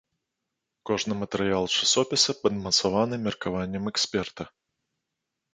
Кожны матэрыял часопіса падмацаваны меркаваннем эксперта.